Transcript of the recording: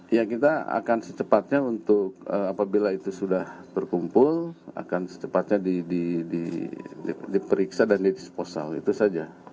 ya kita akan secepatnya untuk apabila itu sudah terkumpul akan secepatnya diperiksa dan di disposal itu saja